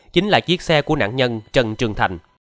chính là chiếc xe của nạn nhân trần trường thành